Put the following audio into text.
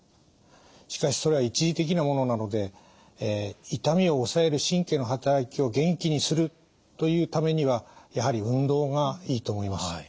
しかしそれは一時的なものなので痛みを抑える神経の働きを元気にするというためにはやはり運動がいいと思います。